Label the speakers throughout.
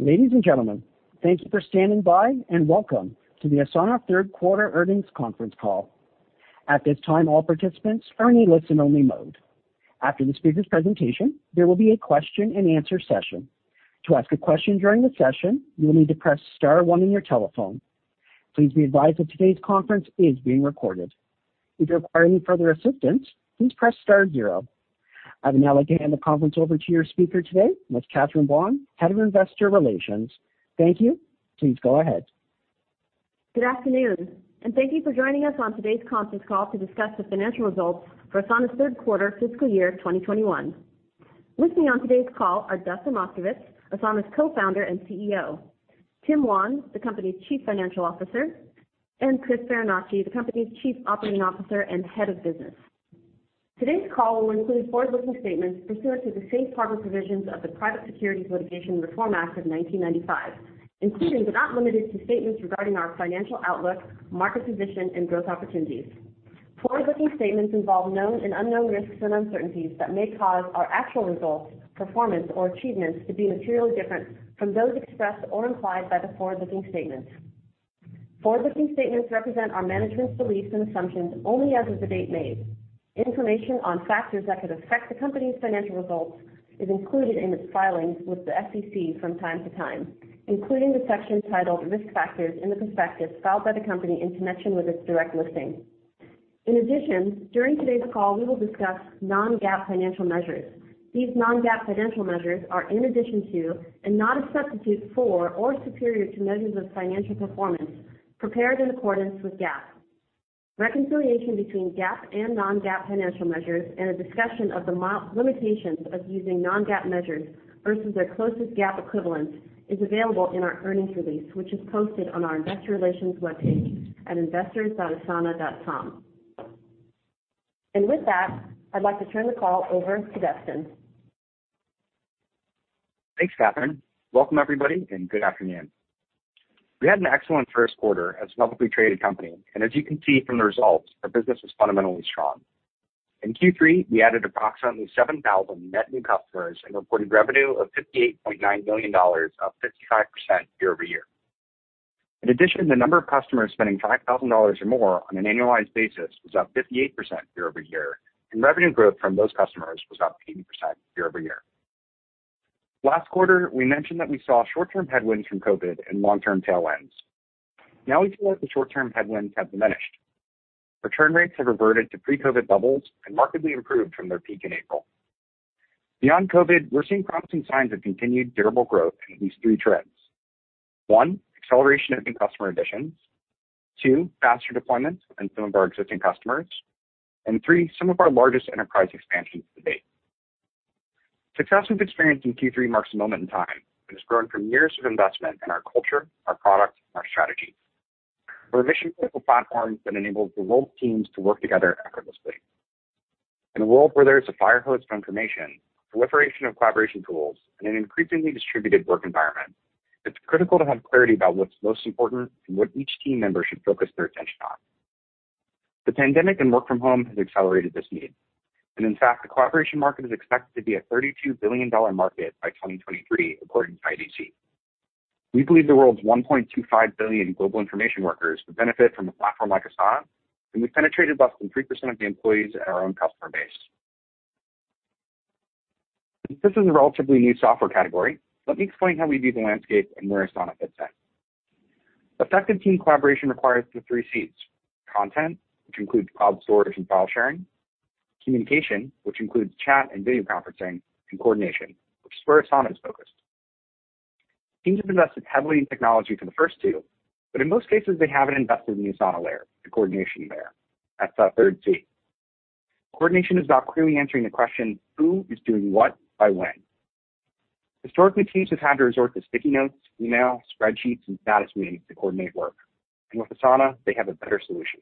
Speaker 1: Ladies and gentlemen, thank you for standing by, and welcome to the Asana third quarter earnings conference call. At this time, all participants are in a listen-only mode. After the speaker's presentation, there will be a question-and-answer session. To ask a question during the session, you will need to press star one on your telephone. Please be advised that today's conference is being recorded. If you require any further assistance, please press star zero. I would now like to hand the conference over to your speaker today, Ms. Catherine Buan, Head of Investor Relations. Thank you. Please go ahead.
Speaker 2: Good afternoon. Thank you for joining us on today's conference call to discuss the financial results for Asana's third quarter fiscal year 2021. With me on today's call are Dustin Moskovitz, Asana's Co-Founder and CEO, Tim Wan, the company's Chief Financial Officer. Chris Farinacci, the company's Chief Operating Officer and Head of Business. Today's call will include forward-looking statements pursuant to the safe harbor provisions of the Private Securities Litigation Reform Act of 1995. Including, but not limited to, statements regarding our financial outlook, market position, and growth opportunities. Forward-looking statements involve known and unknown risks and uncertainties that may cause our actual results, performance, or achievements to be materially different from those expressed or implied by the forward-looking statements. Forward-looking statements represent our management's beliefs and assumptions only as of the date made. Information on factors that could affect the company's financial results is included in its filings with the SEC from time to time, including the section titled Risk Factors in the prospectus filed by the company in connection with its direct listing. In addition, during today's call, we will discuss non-GAAP financial measures. These non-GAAP financial measures are in addition to, and not a substitute for or superior to measures of financial performance prepared in accordance with GAAP. Reconciliation between GAAP and non-GAAP financial measures and a discussion of the limitations of using non-GAAP measures versus their closest GAAP equivalent is available in our earnings release, which is posted on our investor relations webpage at investors.asana.com. With that, I'd like to turn the call over to Dustin.
Speaker 3: Thanks, Catherine. Welcome everybody, and good afternoon. We had an excellent first quarter as a publicly traded company, and as you can see from the results, our business was fundamentally strong. In Q3, we added approximately 7,000 net new customers and reported revenue of $58.9 million, up 55% year-over-year. In addition, the number of customers spending $5,000 or more on an annualized basis was up 58% year-over-year, and revenue growth from those customers was up 80% year-over-year. Last quarter, we mentioned that we saw short-term headwinds from COVID and long-term tailwinds. Now we feel like the short-term headwinds have diminished. Return rates have reverted to pre-COVID levels and markedly improved from their peak in April. Beyond COVID, we're seeing promising signs of continued durable growth in at least three trends. One, acceleration in new customer additions. Two, faster deployment in some of our existing customers. Three, some of our largest enterprise expansions to date. Success we've experienced in Q3 marks a moment in time that has grown from years of investment in our culture, our product, and our strategy. We're a mission-critical platform that enables the world's teams to work together effortlessly. In a world where there is a fire hose of information, proliferation of collaboration tools, and an increasingly distributed work environment, it's critical to have clarity about what's most important and what each team member should focus their attention on. The pandemic and work from home has accelerated this need. In fact, the collaboration market is expected to be a $32 billion market by 2023, according to IDC. We believe the world's 1.25 billion global information workers would benefit from a platform like Asana, and we've penetrated less than 3% of the employees at our own customer base. Since this is a relatively new software category, let me explain how we view the landscape and where Asana fits in. Effective team collaboration requires the three Cs: content, which includes cloud storage and file sharing; communication, which includes chat and video conferencing; and coordination, which is where Asana is focused. Teams have invested heavily in technology for the first two, but in most cases, they haven't invested in the Asana layer, the coordination layer. That's our third C. Coordination is about clearly answering the question, who is doing what by when? Historically, teams have had to resort to sticky notes, email, spreadsheets, and status meetings to coordinate work. With Asana, they have a better solution.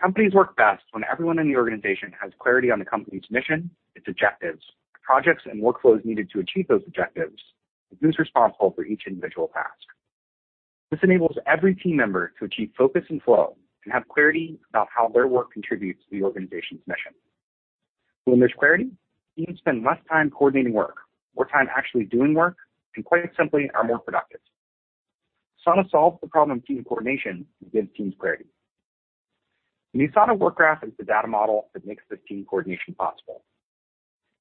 Speaker 3: Companies work best when everyone in the organization has clarity on the company's mission, its objectives, projects, and workflows needed to achieve those objectives, and who's responsible for each individual task. This enables every team member to achieve focus and flow and have clarity about how their work contributes to the organization's mission. When there's clarity, teams spend less time coordinating work, more time actually doing work, and quite simply, are more productive. Asana solves the problem of team coordination and gives teams clarity. The Asana Work Graph is the data model that makes this team coordination possible.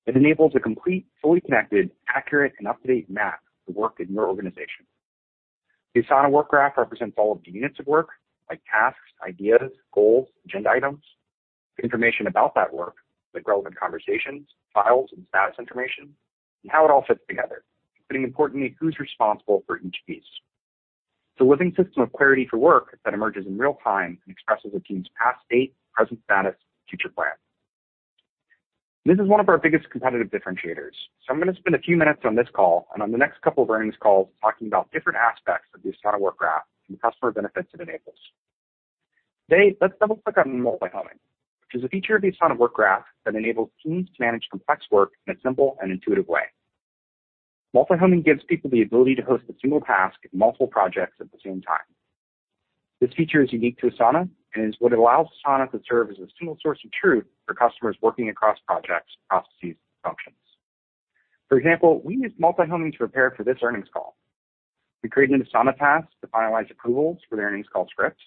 Speaker 3: It enables a complete, fully connected, accurate, and up-to-date map of work in your organization. The Asana Work Graph represents all of the units of work, like tasks, ideas, goals, agenda items, information about that work, like relevant conversations, files, and status information, and how it all fits together, including importantly, who's responsible for each piece. It's a living system of clarity for work that emerges in real-time and expresses a team's past state, present status, future plan. This is one of our biggest competitive differentiators, so I'm going to spend a few minutes on this call and on the next couple of earnings calls talking about different aspects of the Asana Work Graph and the customer benefits it enables. Today, let's double-click on multi-homing, which is a feature of the Asana Work Graph that enables teams to manage complex work in a simple and intuitive way. Multi-homing gives people the ability to host a single task in multiple projects at the same time. This feature is unique to Asana, and is what allows Asana to serve as a single source of truth for customers working across projects, processes, and functions. For example, we used multi-homing to prepare for this earnings call. We created an Asana task to finalize approvals for the earnings call script,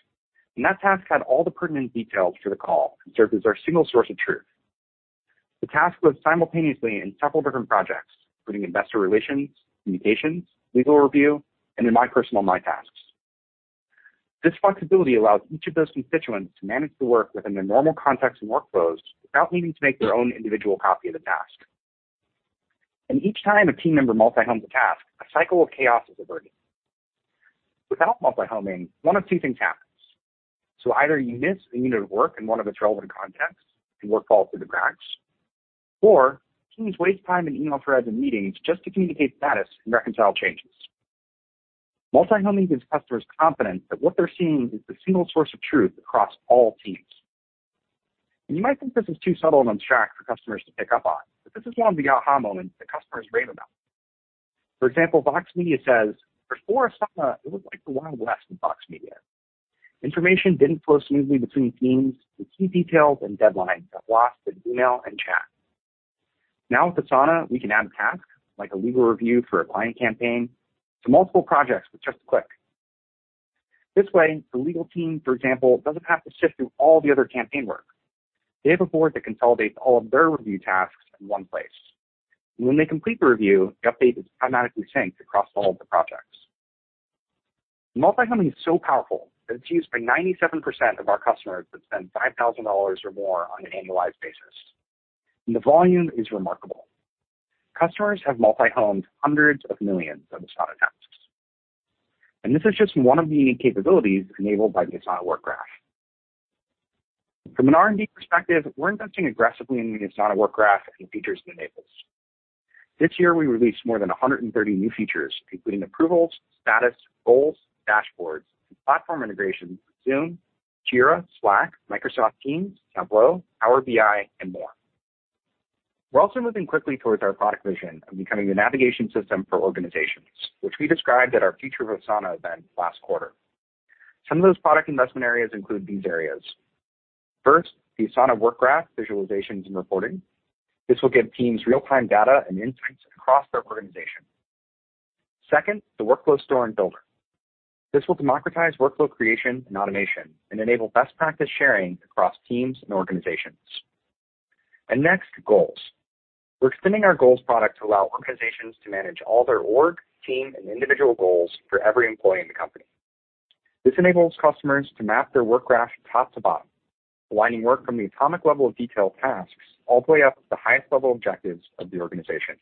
Speaker 3: and that task had all the pertinent details for the call, and served as our single source of truth. The task was simultaneously in several different projects, including investor relations, communications, legal review, and in my personal My Tasks. This flexibility allows each of those constituents to manage the work within their normal context and workflows without needing to make their own individual copy of the task. Each time a team member multi-homes a task, a cycle of chaos is averted. Without multi-homing, one of two things happens. Either you miss a unit of work in one of its relevant contexts, and work falls through the cracks, or teams waste time in email threads and meetings just to communicate status and reconcile changes. Multi-homing gives customers confidence that what they're seeing is the single source of truth across all teams. You might think this is too subtle and abstract for customers to pick up on, but this is one of the aha moments that customers rave about. For example, Vox Media says, "Before Asana, it was like the Wild West at Vox Media. Information didn't flow smoothly between teams, and key details and deadlines got lost in email and chat. Now with Asana, we can add a task, like a legal review for a client campaign, to multiple projects with just a click. This way, the legal team, for example, doesn't have to sift through all the other campaign work. They have a board that consolidates all of their review tasks in one place. When they complete the review, the update is automatically synced across all of the projects. Multi-homing is so powerful that it's used by 97% of our customers that spend $5,000 or more on an annualized basis. The volume is remarkable. Customers have multi-homed hundreds of millions of Asana tasks. This is just one of the unique capabilities enabled by the Asana Work Graph. From an R&D perspective, we're investing aggressively in the Asana Work Graph and the features it enables. This year, we released more than 130 new features, including approvals, status, Goals, dashboards, and platform integrations with Zoom, Jira, Slack, Microsoft Teams, Tableau, Power BI, and more. We're also moving quickly towards our product vision of becoming the navigation system for organizations, which we described at our Future of Asana event last quarter. Some of those product investment areas include these areas. First, the Asana Work Graph, visualizations, and reporting. This will give teams real-time data and insights across their organization. Second, the workflow store and builder. This will democratize workflow creation and automation, and enable best practice sharing across teams and organizations. Next, Goals. We're expanding our Goals product to allow organizations to manage all their org, team, and individual Goals for every employee in the company. This enables customers to map their Work Graph top to bottom, aligning work from the atomic level of detail tasks all the way up to the highest level objectives of the organization.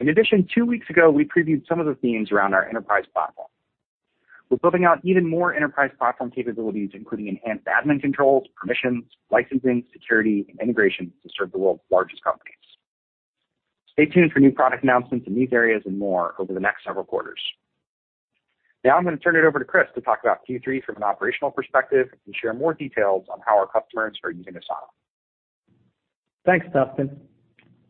Speaker 3: In addition, two weeks ago, we previewed some of the themes around our enterprise platform. We're building out even more enterprise platform capabilities, including enhanced admin controls, permissions, licensing, security, and integrations to serve the world's largest companies. Stay tuned for new product announcements in these areas and more over the next several quarters. Now I'm going to turn it over to Chris to talk about Q3 from an operational perspective and share more details on how our customers are using Asana.
Speaker 4: Thanks, Dustin.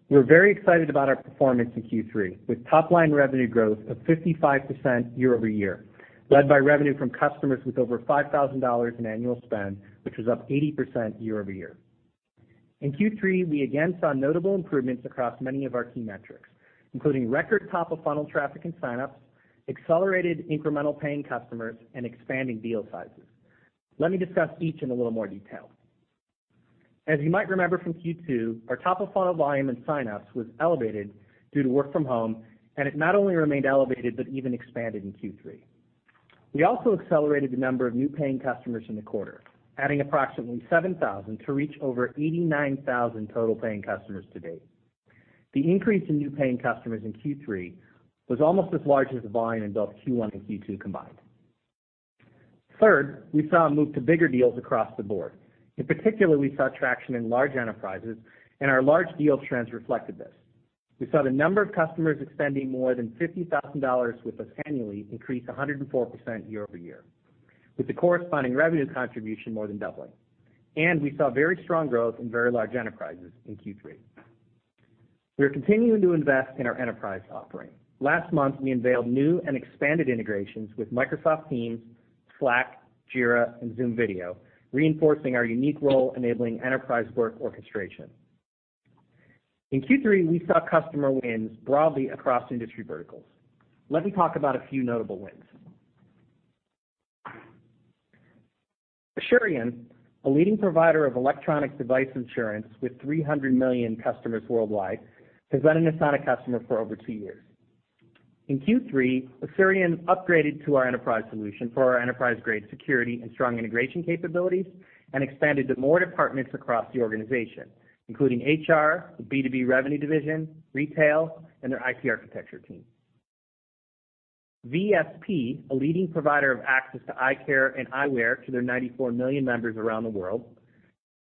Speaker 4: We're very excited about our performance in Q3, with top-line revenue growth of 55% year-over-year, led by revenue from customers with over $5,000 in annual spend, which was up 80% year-over-year. In Q3, we again saw notable improvements across many of our key metrics, including record top-of-funnel traffic and sign-ups, accelerated incremental paying customers, and expanding deal sizes. Let me discuss each in a little more detail. As you might remember from Q2, our top-of-funnel volume and sign-ups was elevated due to work from home, and it not only remained elevated, but even expanded in Q3. We also accelerated the number of new paying customers in the quarter, adding approximately 7,000 to reach over 89,000 total paying customers to date. The increase in new paying customers in Q3 was almost as large as the volume in both Q1 and Q2 combined. Third, we saw a move to bigger deals across the board. In particular, we saw traction in large enterprises. Our large deal trends reflected this. We saw the number of customers expending more than $50,000 with us annually increase 104% year-over-year, with the corresponding revenue contribution more than doubling. We saw very strong growth in very large enterprises in Q3. We are continuing to invest in our enterprise offering. Last month, we unveiled new and expanded integrations with Microsoft Teams, Slack, Jira, and Zoom Video, reinforcing our unique role enabling enterprise work orchestration. In Q3, we saw customer wins broadly across industry verticals. Let me talk about a few notable wins. Asurion, a leading provider of electronic device insurance with 300 million customers worldwide, has been an Asana customer for over two years. In Q3, Asurion upgraded to our enterprise solution for our enterprise-grade security and strong integration capabilities, and expanded to more departments across the organization, including HR, the B2B revenue division, retail, and their IT architecture team. VSP, a leading provider of access to eye care and eyewear to their 94 million members around the world,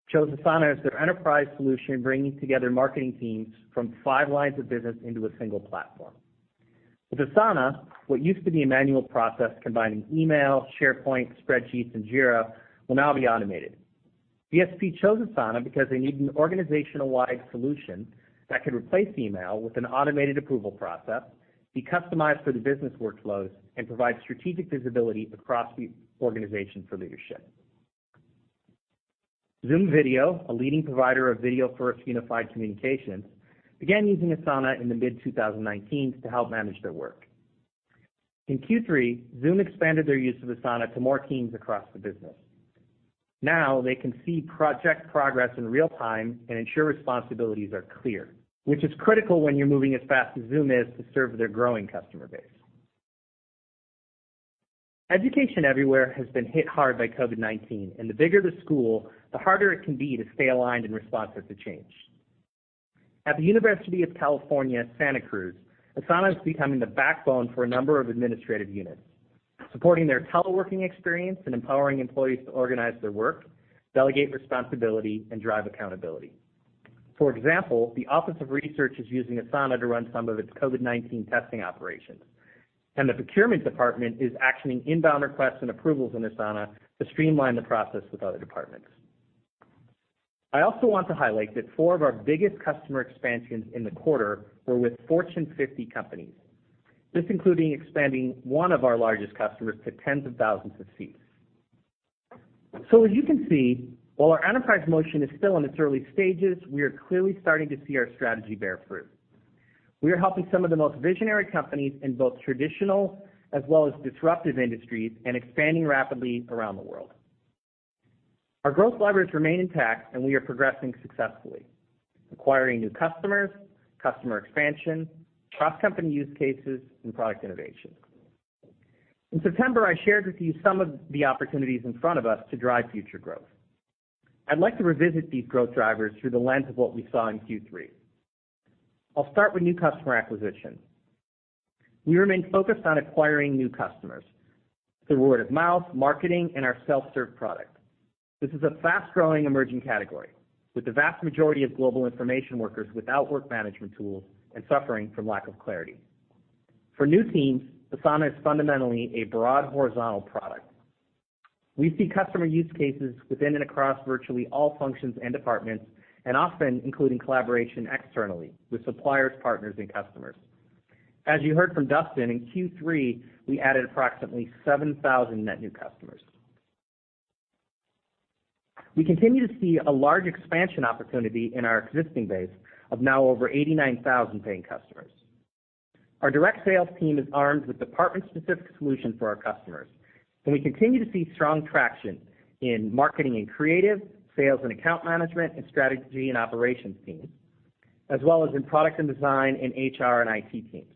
Speaker 4: chose Asana as their enterprise solution, bringing together marketing teams from five lines of business into a single platform. With Asana, what used to be a manual process combining email, SharePoint, spreadsheets, and Jira will now be automated. VSP chose Asana because they need an organization-wide solution that could replace email with an automated approval process, be customized for the business workflows, and provide strategic visibility across the organization for leadership. Zoom Video, a leading provider of video-first unified communications, began using Asana in the mid-2019 to help manage their work. In Q3, Zoom expanded their use of Asana to more teams across the business. Now they can see project progress in real-time and ensure responsibilities are clear, which is critical when you're moving as fast as Zoom is to serve their growing customer base. Education everywhere has been hit hard by COVID-19, and the bigger the school, the harder it can be to stay aligned and responsive to change. At the University of California, Santa Cruz, Asana is becoming the backbone for a number of administrative units, supporting their teleworking experience and empowering employees to organize their work, delegate responsibility, and drive accountability. For example, the Office of Research is using Asana to run some of its COVID-19 testing operations, and the procurement department is actioning inbound requests and approvals in Asana to streamline the process with other departments. I also want to highlight that four of our biggest customer expansions in the quarter were with Fortune 50 companies, this including expanding one of our largest customers to tens of thousands of seats. As you can see, while our enterprise motion is still in its early stages, we are clearly starting to see our strategy bear fruit. We are helping some of the most visionary companies in both traditional as well as disruptive industries and expanding rapidly around the world. Our growth levers remain intact, and we are progressing successfully, acquiring new customers, customer expansion, cross-company use cases, and product innovation. In September, I shared with you some of the opportunities in front of us to drive future growth. I'd like to revisit these growth drivers through the lens of what we saw in Q3. I'll start with new customer acquisition. We remain focused on acquiring new customers through word of mouth, marketing, and our self-serve product. This is a fast-growing, emerging category with the vast majority of global information workers without work management tools and suffering from lack of clarity. For new teams, Asana is fundamentally a broad horizontal product. We see customer use cases within and across virtually all functions and departments, and often including collaboration externally with suppliers, partners, and customers. As you heard from Dustin, in Q3, we added approximately 7,000 net new customers. We continue to see a large expansion opportunity in our existing base of now over 89,000 paying customers. Our direct sales team is armed with department-specific solutions for our customers, and we continue to see strong traction in marketing and creative, sales and account management, and strategy and operations teams, as well as in product and design in HR and IT teams.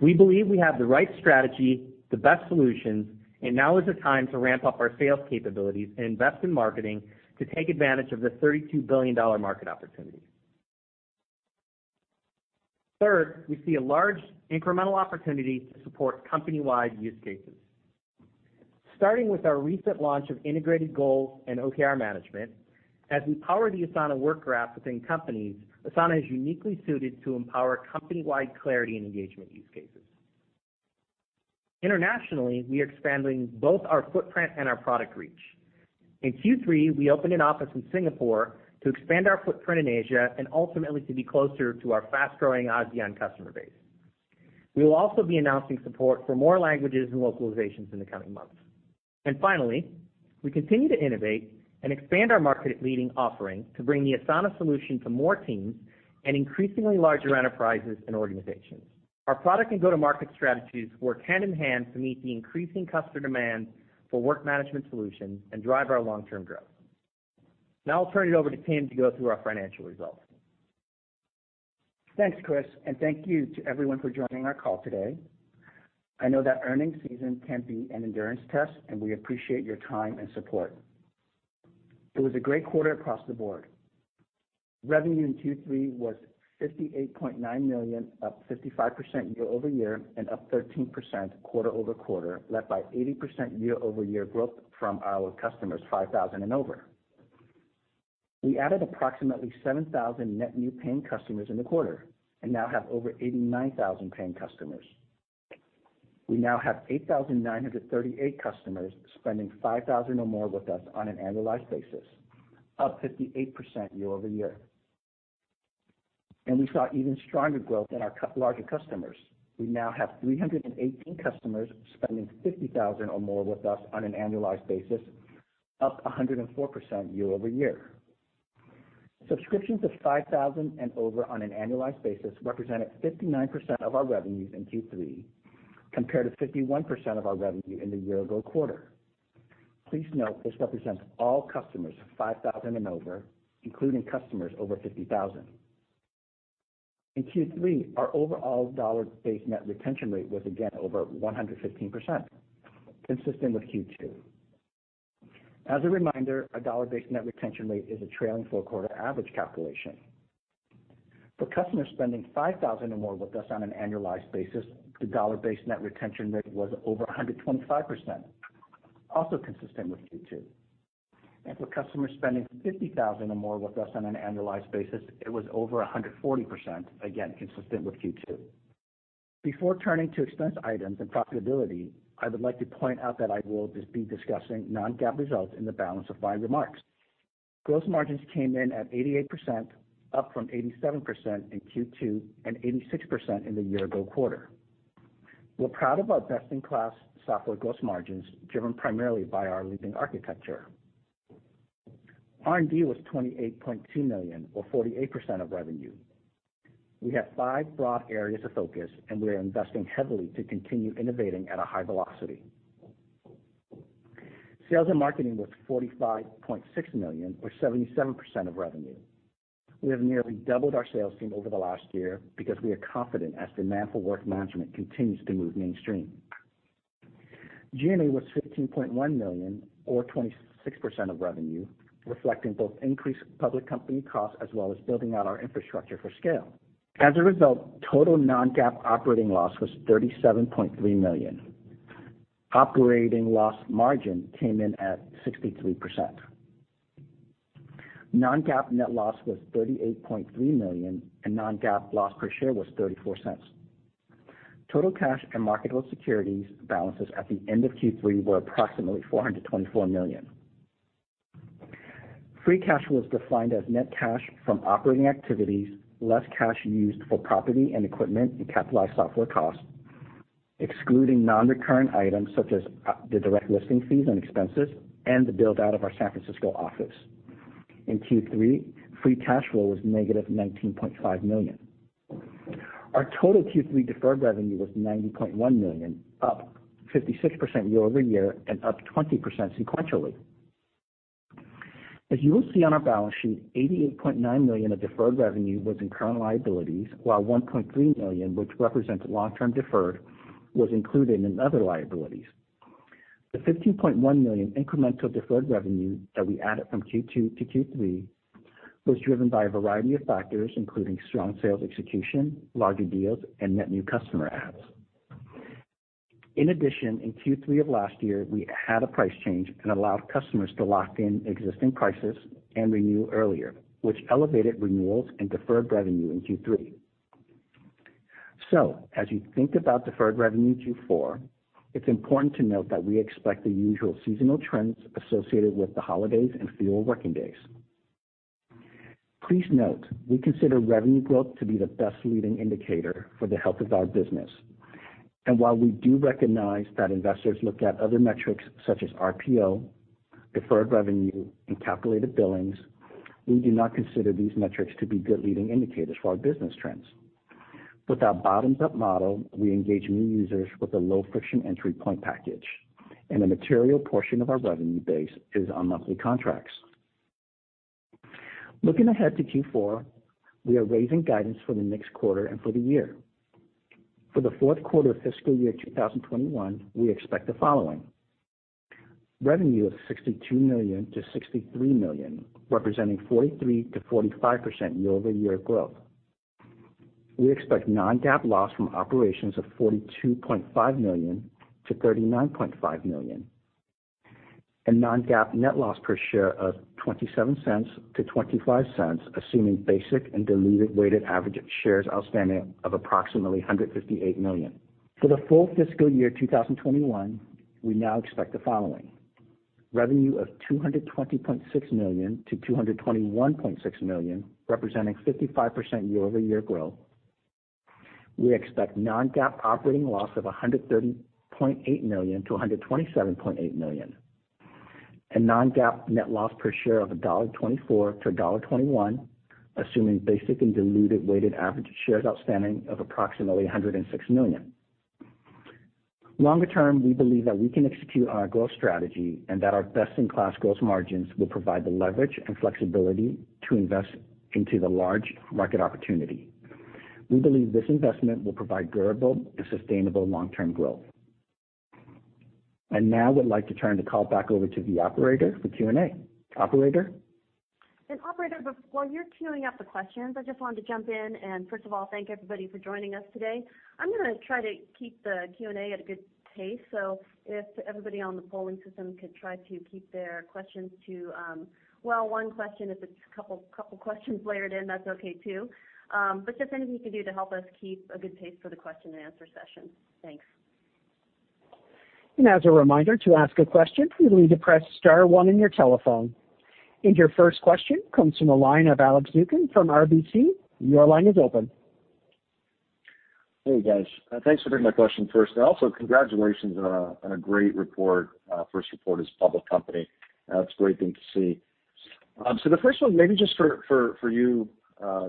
Speaker 4: We believe we have the right strategy, the best solutions, and now is the time to ramp up our sales capabilities and invest in marketing to take advantage of the $32 billion market opportunity. Third, we see a large incremental opportunity to support company-wide use cases. Starting with our recent launch of integrated goal and OKR management, as we power the Asana Work Graph within companies, Asana is uniquely suited to empower company-wide clarity and engagement use cases. Internationally, we are expanding both our footprint and our product reach. In Q3, we opened an office in Singapore to expand our footprint in Asia and ultimately to be closer to our fast-growing ASEAN customer base. We will also be announcing support for more languages and localizations in the coming months. Finally, we continue to innovate and expand our market-leading offering to bring the Asana solution to more teams and increasingly larger enterprises and organizations. Our product and go-to-market strategies work hand in hand to meet the increasing customer demand for work management solutions and drive our long-term growth. Now I'll turn it over to Tim to go through our financial results.
Speaker 5: Thanks, Chris, Thank you to everyone for joining our call today. I know that earnings season can be an endurance test, and we appreciate your time and support. It was a great quarter across the board. Revenue in Q3 was $58.9 million, up 55% year-over-year, up 13% quarter-over-quarter, led by 80% year-over-year growth from our customers $5,000 and over. We added approximately 7,000 net new paying customers in the quarter and now have over 89,000 paying customers. We now have 8,938 customers spending $5,000 or more with us on an annualized basis, up 58% year-over-year. We saw even stronger growth in our larger customers. We now have 318 customers spending $50,000 or more with us on an annualized basis, up 104% year-over-year. Subscriptions of $5,000 and over on an annualized basis represented 59% of our revenues in Q3, compared to 51% of our revenue in the year-ago quarter. Please note this represents all customers $5,000 and over, including customers over $50,000. In Q3, our overall dollar-based net retention rate was again over 115%, consistent with Q2. As a reminder, our dollar-based net retention rate is a trailing four-quarter average calculation. For customers spending $5,000 or more with us on an annualized basis, the dollar-based net retention rate was over 125%, also consistent with Q2. For customers spending $50,000 or more with us on an annualized basis, it was over 140%, again, consistent with Q2. Before turning to expense items and profitability, I would like to point out that I will just be discussing non-GAAP results in the balance of my remarks. Gross margins came in at 88%, up from 87% in Q2 and 86% in the year-ago quarter. We're proud of our best-in-class software gross margins, driven primarily by our leading architecture. R&D was $28.2 million, or 48% of revenue. We have five broad areas of focus, and we are investing heavily to continue innovating at a high velocity. Sales and marketing was $45.6 million or 77% of revenue. We have nearly doubled our sales team over the last year because we are confident as demand for work management continues to move mainstream. G&A was $15.1 million or 26% of revenue, reflecting both increased public company costs as well as building out our infrastructure for scale. As a result, total non-GAAP operating loss was $37.3 million. Operating loss margin came in at 63%. Non-GAAP net loss was $38.3 million, and non-GAAP loss per share was $0.34. Total cash and marketable securities balances at the end of Q3 were approximately $424 million. Free cash flow is defined as net cash from operating activities, less cash used for property and equipment and capitalized software costs, excluding non-recurrent items such as the direct listing fees and expenses and the build-out of our San Francisco office. In Q3, free cash flow was -$19.5 million. Our total Q3 deferred revenue was $90.1 million, up 56% year-over-year and up 20% sequentially. As you will see on our balance sheet, $88.9 million of deferred revenue was in current liabilities, while $1.3 million, which represents long-term deferred, was included in other liabilities. The $15.1 million incremental deferred revenue that we added from Q2 to Q3 was driven by a variety of factors, including strong sales execution, larger deals, and net new customer adds. In addition, in Q3 of last year, we had a price change and allowed customers to lock in existing prices and renew earlier, which elevated renewals and deferred revenue in Q3. As you think about deferred revenue in Q4, it's important to note that we expect the usual seasonal trends associated with the holidays and fewer working days. Please note, we consider revenue growth to be the best leading indicator for the health of our business. While we do recognize that investors look at other metrics such as RPO, deferred revenue, and calculated billings, we do not consider these metrics to be good leading indicators for our business trends. With our bottoms-up model, we engage new users with a low-friction entry point package, and a material portion of our revenue base is on monthly contracts. Looking ahead to Q4, we are raising guidance for the next quarter and for the year. For the fourth quarter fiscal year 2021, we expect the following. Revenue of $62 million-$63 million, representing 43%-45% year-over-year growth. We expect non-GAAP loss from operations of $42.5 million to $39.5 million. Non-GAAP net loss per share of $0.27 to $0.25, assuming basic and diluted weighted average of shares outstanding of approximately 158 million. For the full fiscal year 2021, we now expect the following. Revenue of $220.6 million-$221.6 million, representing 55% year-over-year growth. We expect non-GAAP operating loss of $130.8 million to $127.8 million. Non-GAAP net loss per share of $1.24 to $1.21, assuming basic and diluted weighted average shares outstanding of approximately 106 million. Longer term, we believe that we can execute on our growth strategy and that our best-in-class gross margins will provide the leverage and flexibility to invest into the large market opportunity. We believe this investment will provide durable and sustainable long-term growth. I now would like to turn the call back over to the operator for Q&A. Operator?
Speaker 2: Operator, while you're queuing up the questions, I just wanted to jump in and, first of all, thank everybody for joining us today. I'm going to try to keep the Q&A at a good pace, so if everybody on the polling system could try to keep their questions to, well, one question. If it's a couple questions layered in, that's okay too. Just anything you can do to help us keep a good pace for the question-and-answer session. Thanks.
Speaker 1: As a reminder, to ask a question, you will need to press star one on your telephone. And your first question comes from the line of Alex Zukin from RBC. Your line is open.
Speaker 6: Hey, guys. Thanks for taking my question first, and also congratulations on a great report, first report as a public company. It's a great thing to see. The first one, maybe just for you,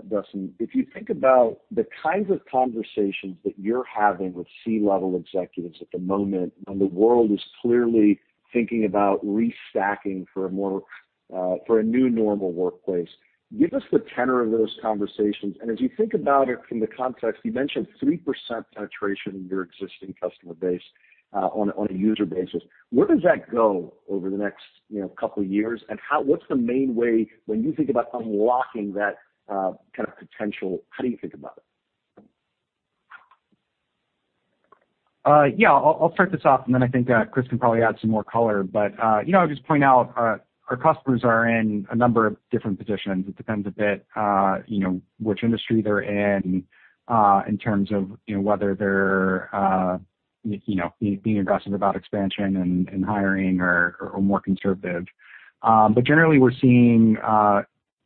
Speaker 6: Dustin. If you think about the kinds of conversations that you're having with C-level executives at the moment, when the world is clearly thinking about restacking for a new normal workplace, give us the tenor of those conversations. As you think about it from the context, you mentioned 3% penetration of your existing customer base on a user basis. Where does that go over the next couple of years? What's the main way when you think about unlocking that kind of potential, how do you think about it?
Speaker 3: Yeah, I'll start this off, then I think Chris can probably add some more color. I'll just point out, our customers are in a number of different positions. It depends a bit which industry they're in terms of whether they're being aggressive about expansion and hiring or are more conservative. Generally, we're seeing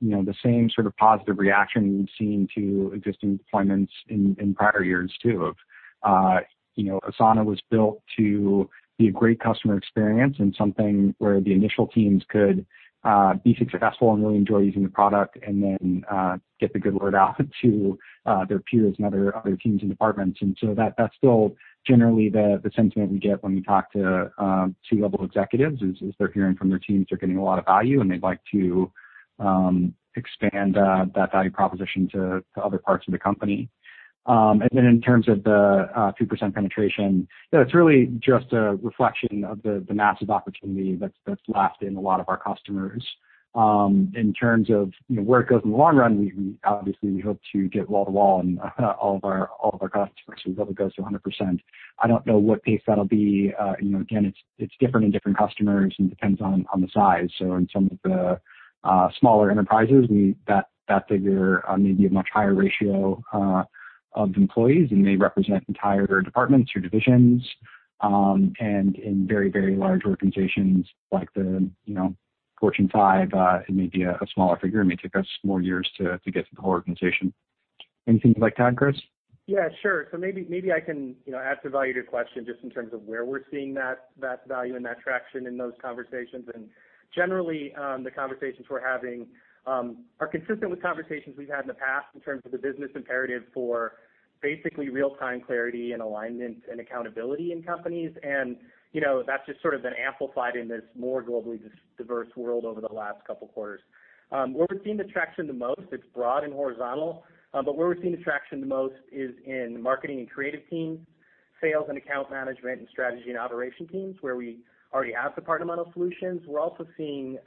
Speaker 3: the same sort of positive reaction we've seen to existing deployments in prior years, too. Asana was built to be a great customer experience and something where the initial teams could be successful and really enjoy using the product, and then get the good word out to their peers and other teams and departments. That's still generally the sentiment we get when we talk to C-level executives, is they're hearing from their teams they're getting a lot of value, and they'd like to expand that value proposition to other parts of the company. In terms of the 3% penetration, it's really just a reflection of the massive opportunity that's left in a lot of our customers. In terms of where it goes in the long run, we obviously hope to get wall-to-wall in all of our customers, so we hope it goes to 100%. I don't know what pace that'll be. Again, it's different in different customers and depends on the size. In some of the smaller enterprises, that figure may be a much higher ratio of employees and may represent entire departments or divisions. In very, very large organizations like the Fortune 5, it may be a smaller figure. It may take us more years to get the whole organization. Anything you'd like to add, Chris?
Speaker 4: Yeah, sure. Maybe I can add some value to your question just in terms of where we're seeing that value and that traction in those conversations. Generally, the conversations we're having are consistent with conversations we've had in the past in terms of the business imperative for basically real-time clarity and alignment and accountability in companies. That's just sort of been amplified in this more globally diverse world over the last couple of quarters. Where we're seeing the traction the most, it's broad and horizontal, but where we're seeing the traction the most is in marketing and creative teams, sales and account management, and strategy and operation teams where we already have departmental solutions. We're also seeing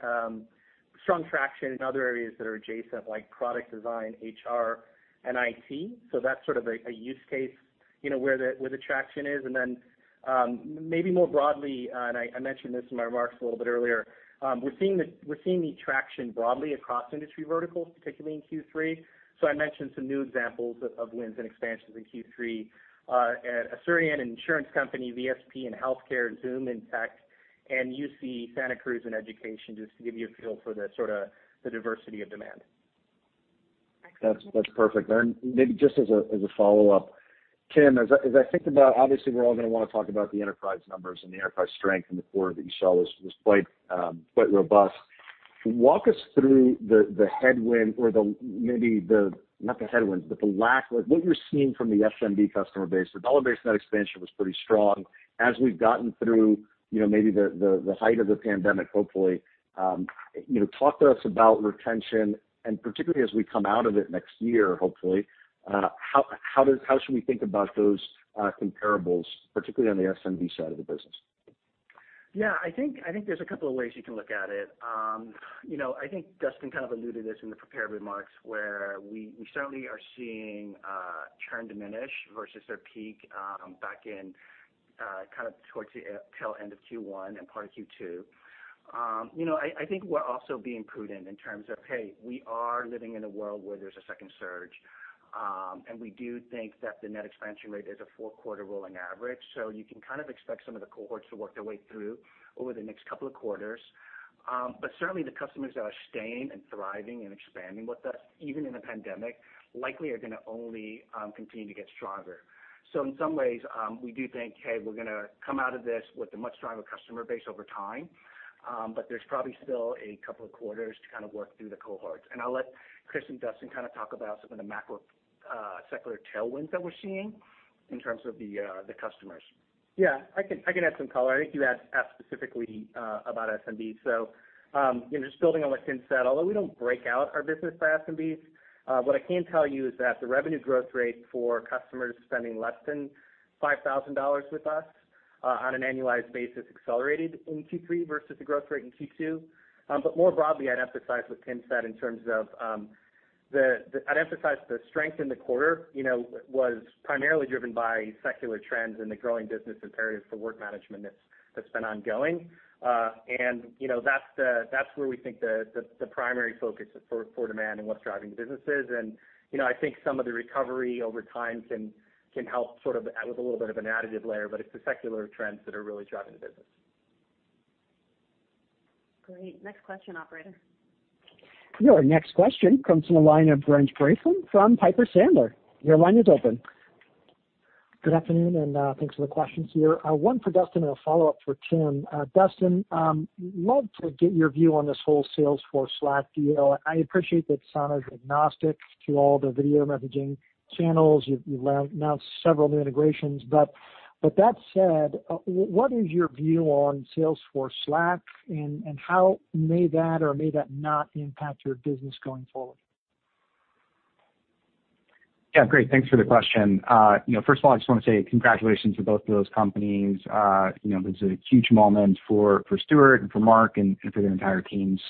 Speaker 4: strong traction in other areas that are adjacent, like product design, HR, and IT. That's sort of a use case where the traction is. Then maybe more broadly, and I mentioned this in my remarks a little bit earlier, we're seeing the traction broadly across industry verticals, particularly in Q3. I mentioned some new examples of wins and expansions in Q3. Asurion, an insurance company, VSP in healthcare, Zoom in tech, and UC Santa Cruz in education, just to give you a feel for the sort of the diversity of demand.
Speaker 6: That's perfect. Maybe just as a follow-up, Tim, as I think about, obviously, we're all going to want to talk about the enterprise numbers and the enterprise strength in the quarter that you saw was quite robust. Walk us through the headwind or the, maybe the, not the headwinds, but the lack, what you're seeing from the SMB customer base. The dollar-based net expansion was pretty strong. As we've gotten through maybe the height of the pandemic, hopefully, talk to us about retention and particularly as we come out of it next year, hopefully, how should we think about those comparables, particularly on the SMB side of the business?
Speaker 5: Yeah, I think there's a couple of ways you can look at it. I think Dustin kind of alluded this in the prepared remarks, where we certainly are seeing churn diminish versus their peak back in kind of towards the tail end of Q1 and part of Q2. I think we're also being prudent in terms of, hey, we are living in a world where there's a second surge. We do think that the net expansion rate is a four-quarter rolling average, so you can kind of expect some of the cohorts to work their way through over the next couple of quarters. Certainly, the customers that are staying and thriving and expanding with us, even in a pandemic, likely are going to only continue to get stronger. In some ways, we do think, hey, we're going to come out of this with a much stronger customer base over time, but there's probably still a couple of quarters to kind of work through the cohorts. I'll let Chris and Dustin kind of talk about some of the macro secular tailwinds that we're seeing in terms of the customers.
Speaker 4: Yeah, I can add some color. I think you asked specifically about SMB. Just building on what Tim said, although we don't break out our business by SMBs, what I can tell you is that the revenue growth rate for customers spending less than $5,000 with us on an annualized basis accelerated in Q3 versus the growth rate in Q2. More broadly, I'd emphasize what Tim said in terms of, I'd emphasize the strength in the quarter was primarily driven by secular trends in the growing business imperative for work management that's been ongoing. That's where we think the primary focus is for demand and what's driving the businesses. I think some of the recovery over time can help sort of with a little bit of an additive layer, but it's the secular trends that are really driving the business.
Speaker 2: Great. Next question, operator.
Speaker 1: Your next question comes from the line of Brent Bracelin from Piper Sandler. Your line is open.
Speaker 7: Good afternoon, and thanks for the questions here. One for Dustin and a follow-up for Tim. Dustin, love to get your view on this whole Salesforce Slack deal. I appreciate that Asana is agnostic to all the video messaging channels. You've announced several new integrations. That said, what is your view on Salesforce Slack, and how may that or may that not impact your business going forward?
Speaker 3: Yeah, great. Thanks for the question. First of all, I just want to say congratulations to both of those companies. It's a huge moment for Stewart and for Marc and for their entire teams.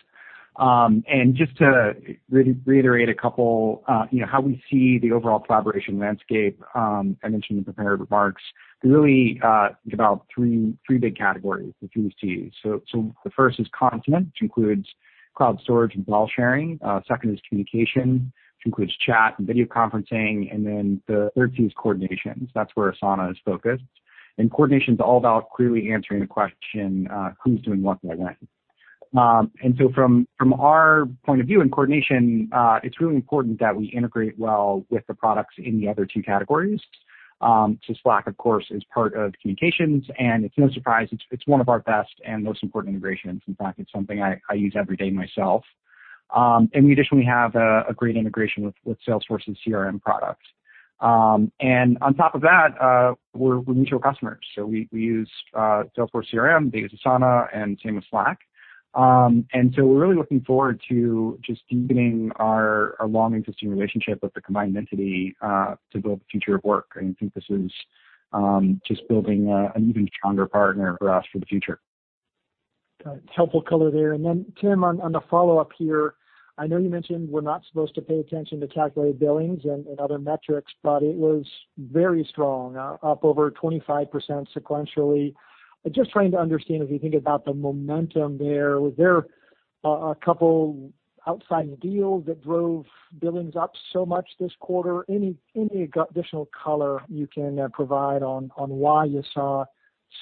Speaker 3: Just to reiterate a couple, how we see the overall collaboration landscape, I mentioned in the prepared remarks, we really think about three big categories for three Cs. The first is content, which includes cloud storage and file sharing. Second is communication, which includes chat and video conferencing. The third C is coordination. That's where Asana is focused. Coordination's all about clearly answering the question, who's doing what by when? From our point of view in coordination, it's really important that we integrate well with the products in the other two categories. Slack, of course, is part of communications, and it's no surprise it's one of our best and most important integrations. In fact, it's something I use every day myself. We additionally have a great integration with Salesforce and CRM products. On top of that, we're mutual customers. We use Salesforce CRM, they use Asana, and same with Slack. We're really looking forward to just deepening our long-existing relationship with the combined entity, to build the future of work. I think this is just building an even stronger partner for us for the future.
Speaker 7: Got it. Helpful color there. Tim, on the follow-up here, I know you mentioned we're not supposed to pay attention to calculated billings and other metrics, but it was very strong, up over 25% sequentially. Just trying to understand, as you think about the momentum there, was there a couple outside deals that drove billings up so much this quarter? Any additional color you can provide on why you saw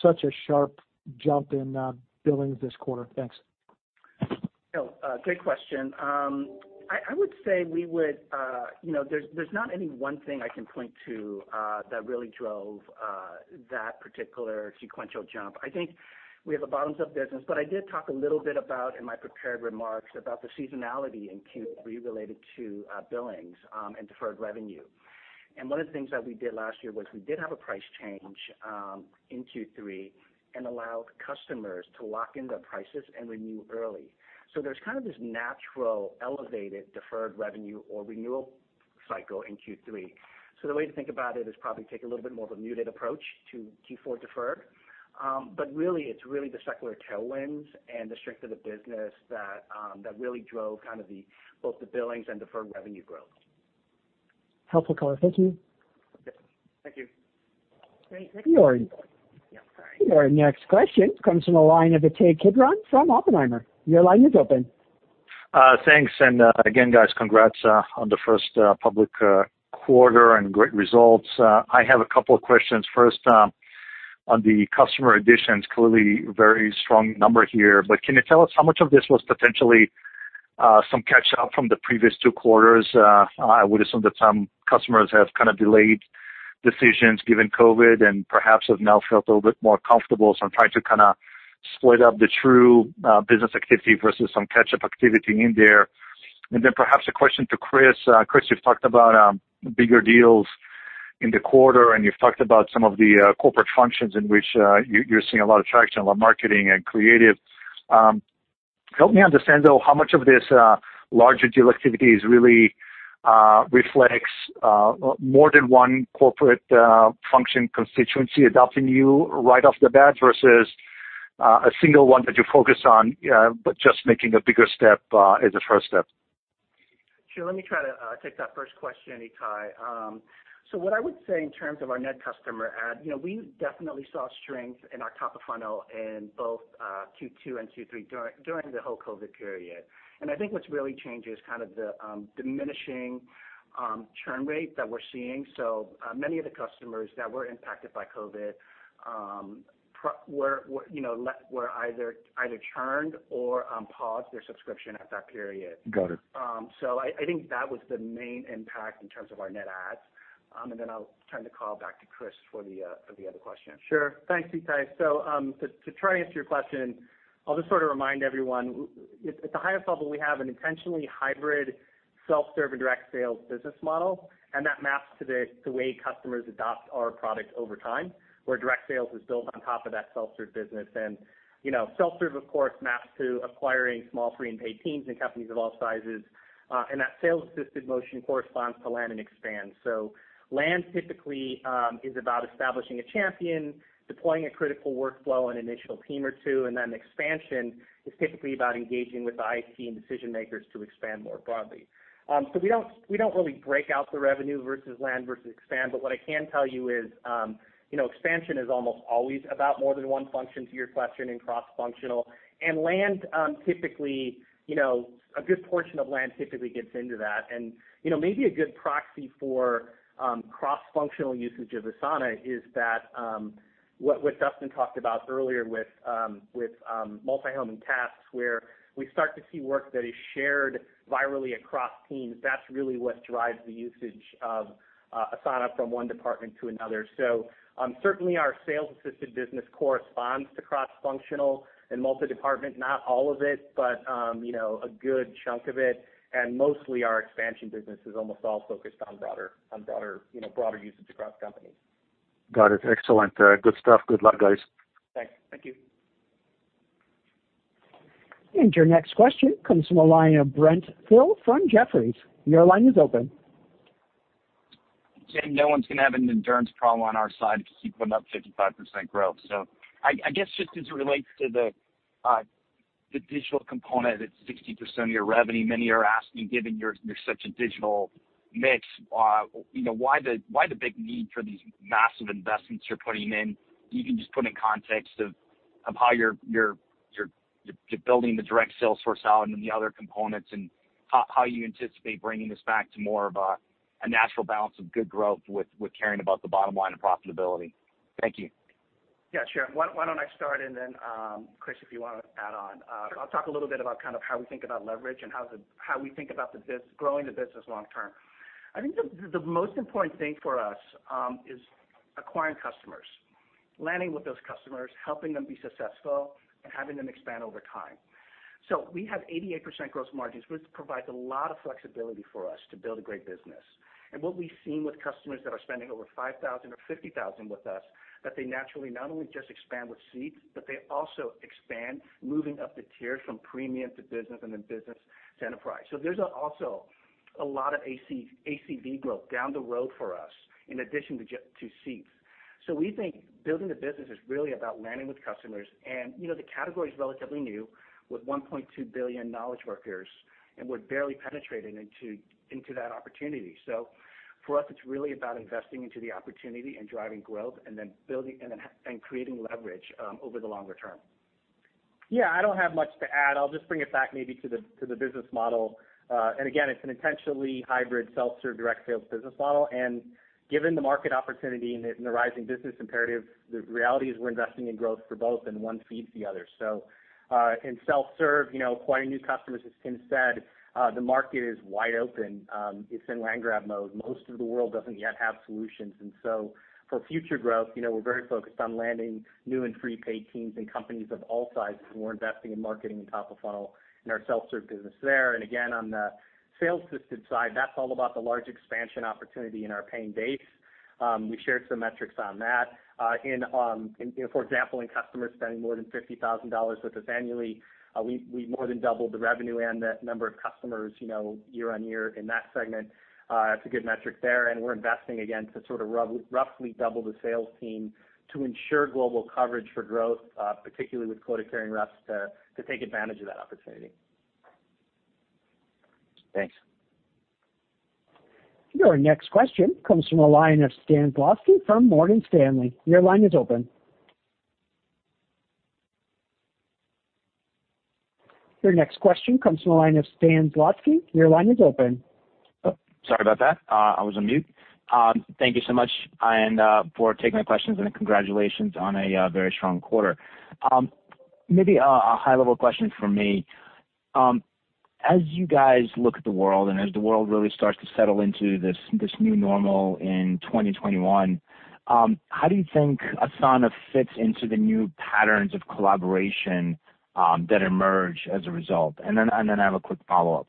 Speaker 7: such a sharp jump in billings this quarter? Thanks.
Speaker 5: No, great question. I would say there's not any one thing I can point to that really drove that particular sequential jump. I think we have a bottoms-up business, but I did talk a little bit about, in my prepared remarks, about the seasonality in Q3 related to billings and deferred revenue. One of the things that we did last year was we did have a price change in Q3 and allowed customers to lock in their prices and renew early. There's kind of this natural elevated deferred revenue or renewal cycle in Q3. The way to think about it is probably take a little bit more of a muted approach to Q4 deferred. Really it's really the secular tailwinds and the strength of the business that really drove both the billings and deferred revenue growth.
Speaker 7: Helpful color. Thank you.
Speaker 5: Yep. Thank you.
Speaker 1: Your next question comes from the line of Ittai Kidron from Oppenheimer. Your line is open.
Speaker 8: Thanks, again, guys, congrats on the first public quarter and great results. I have a couple of questions. First, on the customer additions, clearly very strong number here. Can you tell us how much of this was potentially some catch-up from the previous two quarters? I would assume that some customers have kind of delayed decisions given COVID, and perhaps have now felt a little bit more comfortable. I'm trying to kind of split up the true business activity versus some catch-up activity in there. Perhaps a question to Chris. Chris, you've talked about bigger deals in the quarter, and you've talked about some of the corporate functions in which you're seeing a lot of traction on marketing and creative. Help me understand, though, how much of this larger deal activity really reflects more than one corporate function constituency adopting you right off the bat versus a single one that you focus on, but just making a bigger step as a first step?
Speaker 5: Sure, let me try to take that first question, Ittai. What I would say in terms of our net customer add, we definitely saw strength in our top of funnel in both Q2 and Q3 during the whole COVID period. I think what's really changing is kind of the diminishing churn rate that we're seeing. Many of the customers that were impacted by COVID were either churned or paused their subscription at that period.
Speaker 8: Got it.
Speaker 5: I think that was the main impact in terms of our net adds. Then I'll turn the call back to Chris for the other question.
Speaker 4: Sure. Thanks, Ittai. To try and answer your question, I'll just sort of remind everyone, at the highest level, we have an intentionally hybrid self-serve and direct sales business model, and that maps to the way customers adopt our product over time, where direct sales is built on top of that self-serve business. Self-serve, of course, maps to acquiring small free and paid teams and companies of all sizes. That sales-assisted motion corresponds to land and expand. Land typically is about establishing a champion, deploying a critical workflow and initial team or two, and then expansion is typically about engaging with the IT and decision-makers to expand more broadly. We don't really break out the revenue versus land versus expand, but what I can tell you is expansion is almost always about more than one function, to your question, and cross-functional. A good portion of land typically gets into that. Maybe a good proxy for cross-functional usage of Asana is what Dustin talked about earlier with multi-homing tasks, where we start to see work that is shared virally across teams. That's really what drives the usage of Asana from one department to another. Certainly our sales-assisted business corresponds to cross-functional and multi-department, not all of it, but a good chunk of it. Mostly our expansion business is almost all focused on broader usage across companies.
Speaker 8: Got it. Excellent. Good stuff. Good luck, guys.
Speaker 5: Thanks.
Speaker 4: Thank you.
Speaker 1: Your next question comes from a line of Brent Thill from Jefferies. Your line is open.
Speaker 9: Tim, no one's going to have an endurance problem on our side to keep putting up 55% growth. I guess just as it relates to the digital component that's 60% of your revenue, many are asking, given you're such a digital mix, why the big need for these massive investments you're putting in? You can just put in context of how you're building the direct sales force out and the other components, and how you anticipate bringing this back to more of a natural balance of good growth with caring about the bottom line and profitability. Thank you.
Speaker 3: Yeah, sure. Why don't I start and then, Chris, if you want to add on. I'll talk a little bit about kind of how we think about leverage and how we think about growing the business long-term. I think the most important thing for us is acquiring customers, landing with those customers, helping them be successful, and having them expand over time. We have 88% gross margins, which provides a lot of flexibility for us to build a great business. What we've seen with customers that are spending over $5,000 or $50,000 with us, that they naturally not only just expand with seats, but they also expand, moving up the tiers from premium to business and then business to enterprise. There's also a lot of ACV growth down the road for us in addition to seats. We think building the business is really about landing with customers. The category is relatively new, with 1.2 billion knowledge workers, and we're barely penetrating into that opportunity. For us, it's really about investing into the opportunity and driving growth and then creating leverage over the longer term.
Speaker 4: Yeah, I don't have much to add. I'll just bring it back maybe to the business model. Again, it's an intentionally hybrid self-serve, direct sales business model. Given the market opportunity and the rising business imperative, the reality is we're investing in growth for both and one feeds the other. In self-serve, acquiring new customers, as Tim said, the market is wide open. It's in land grab mode. Most of the world doesn't yet have solutions. For future growth, we're very focused on landing new and prepaid teams and companies of all sizes. We're investing in marketing and top-of-funnel in our self-serve business there. Again, on the sales-assisted side, that's all about the large expansion opportunity in our paying base. We shared some metrics on that. For example, in customers spending more than $50,000 with us annually, we more than doubled the revenue and the number of customers year-on-year in that segment. That's a good metric there. We're investing again to sort of roughly double the sales team to ensure global coverage for growth, particularly with quota-carrying reps to take advantage of that opportunity.
Speaker 9: Thanks.
Speaker 1: Your next question comes from the line of Stan Zlotsky from Morgan Stanley. Your line is open. Your next question comes from the line of Stan Zlotsky. Your line is open.
Speaker 10: Sorry about that. I was on mute. Thank you so much for taking my questions and congratulations on a very strong quarter. Maybe a high-level question from me. As you guys look at the world and as the world really starts to settle into this new normal in 2021, how do you think Asana fits into the new patterns of collaboration that emerge as a result? Then I have a quick follow-up.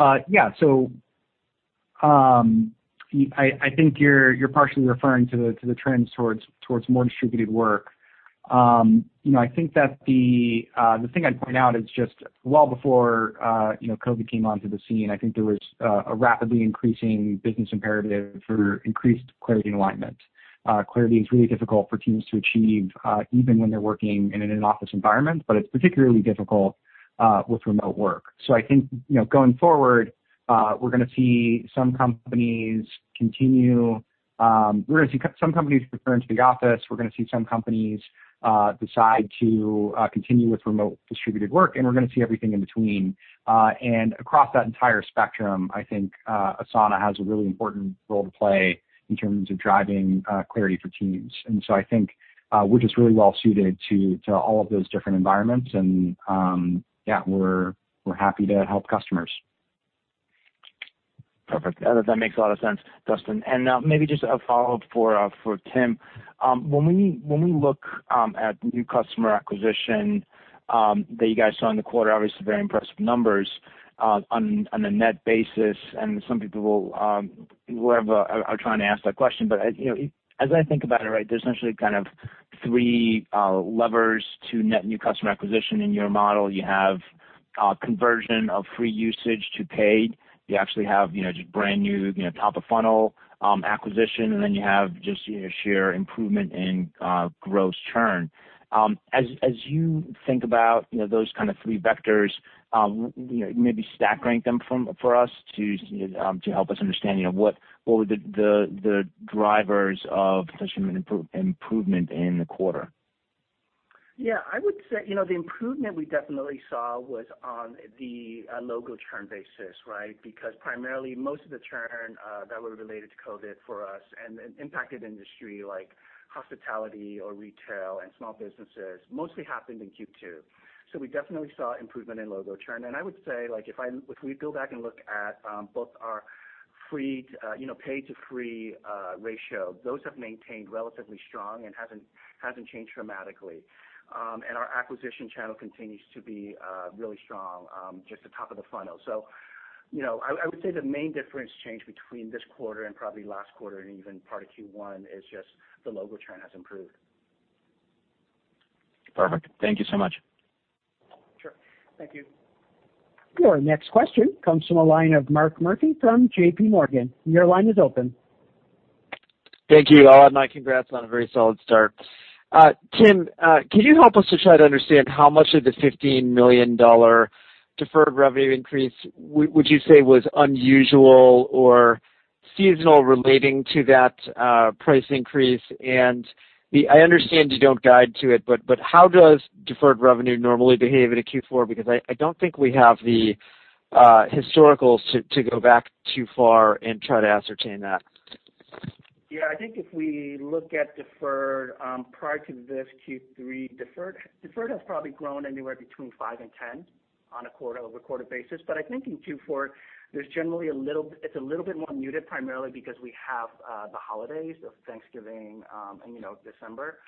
Speaker 3: Yeah. I think you're partially referring to the trends towards more distributed work. The thing I'd point out is just well before COVID came onto the scene, I think there was a rapidly increasing business imperative for increased clarity and alignment. Clarity is really difficult for teams to achieve even when they're working in an in-office environment, but it's particularly difficult with remote work. I think, going forward, we're going to see some companies return to the office, we're going to see some companies decide to continue with remote distributed work, and we're going to see everything in between. Across that entire spectrum, I think Asana has a really important role to play in terms of driving clarity for teams. I think we're just really well-suited to all of those different environments. Yeah, we're happy to help customers.
Speaker 10: Perfect. That makes a lot of sense, Dustin. Maybe just a follow-up for Tim. When we look at new customer acquisition that you guys saw in the quarter, obviously very impressive numbers on a net basis, and some people are trying to ask that question. As I think about it, there's essentially kind of three levers to net new customer acquisition in your model. You have conversion of free usage to paid. You actually have just brand new top-of-funnel acquisition, and then you have just sheer improvement in gross churn. As you think about those kind of three vectors, maybe stack rank them for us to help us understand what were the drivers of such an improvement in the quarter?
Speaker 5: Yeah, I would say the improvement we definitely saw was on the logo churn basis. Because primarily most of the churn that were related to COVID for us and impacted industry like hospitality or retail and small businesses mostly happened in Q2. We definitely saw improvement in logo churn. I would say, if we go back and look at both our paid to free ratio, those have maintained relatively strong and hasn't changed dramatically. Our acquisition channel continues to be really strong, just the top of the funnel. I would say the main difference change between this quarter and probably last quarter and even part of Q1 is just the logo churn has improved.
Speaker 10: Perfect. Thank you so much.
Speaker 5: Sure. Thank you.
Speaker 1: Your next question comes from the line of Mark Murphy from JPMorgan. Your line is open.
Speaker 11: Thank you. My congrats on a very solid start. Tim, can you help us to try to understand how much of the $15 million deferred revenue increase, would you say was unusual or seasonal relating to that price increase? I understand you don't guide to it, but how does deferred revenue normally behave at a Q4? Because I don't think we have the historicals to go back too far and try to ascertain that.
Speaker 5: Yeah, I think if we look at deferred prior to this Q3, deferred has probably grown anywhere between $5 million and $10 million on a quarter-over-quarter basis. I think in Q4, it's a little bit more muted, primarily because we have the holidays of Thanksgiving and December.